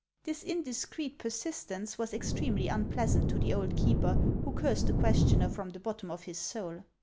This indiscreet persistence was extremely unpleasant to the old keeper, who cursed the questioner from the bottom of his soul.